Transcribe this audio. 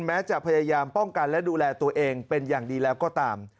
แม้จะพยายามป้องกันและดูแลตัวเองเป็นอย่างดีแล้วก็ตาม